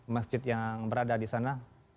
masjid yang berada disana